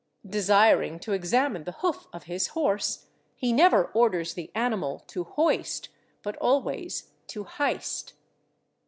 Desiring to examine the hoof of his horse, he never orders the animal to /hoist/ but always to /hist